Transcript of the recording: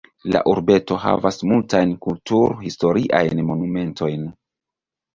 La urbeto havas multajn kultur-historiajn monumentojn.